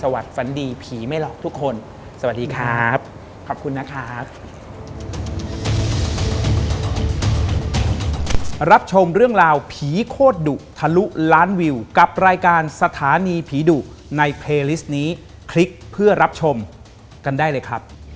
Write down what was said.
เหมือนพยายามจะเปิดเข้าคึก